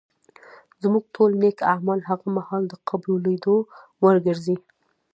زموږ ټول نېک اعمال هغه مهال د قبلېدو وړ ګرځي